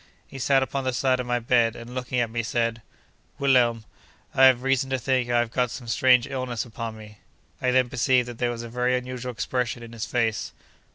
He sat upon the side of my bed, and looking at me, said: 'Wilhelm, I have reason to think I have got some strange illness upon me.' I then perceived that there was a very unusual expression in his face.